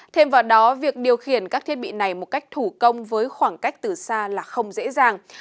thêm vào đó việc điều khiển các thiết bị này một cách thủ công với khoảng cách từ xa là không dễ dàng